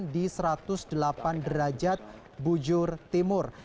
di satu ratus delapan derajat bujur timur